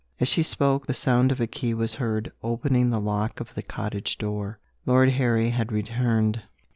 As she spoke the sound of a key was heard, opening the lock of the cottage door. Lord Harry had returned.